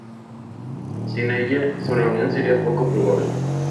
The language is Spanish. Sin ella, su reunión sería poco probable.